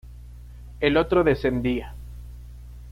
El otro descendía.